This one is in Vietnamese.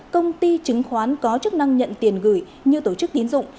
công ty chứng khoán có chức năng nhận tiền gửi như tổ chức tín dụng